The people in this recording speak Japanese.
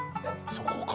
そこか？